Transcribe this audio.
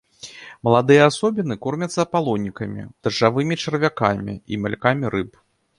Маладыя асобіны кормяцца апалонікамі, дажджавымі чарвякамі і малькамі рыб.